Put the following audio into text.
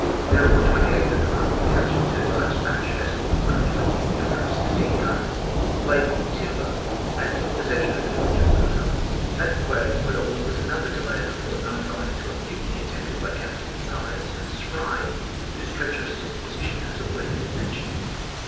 There, on the 28th of the month, he captured two large Spanish vessels, one of twenty and the other of sixteen guns, laden with timber, and took possession of the village of Puna. At Guayaquil there was another delay of a fortnight, owing to a mutiny attempted by Captains Guise and Spry, whose treacherous disposition has already been mentioned.